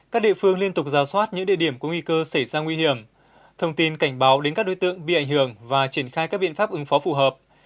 các địa phương liên tục ra soát những địa điểm có nguy cơ xảy ra nguy hiểm thông tin cảnh báo đến các đối tượng bị ảnh hưởng và triển khai các biện pháp ứng phó phù hợp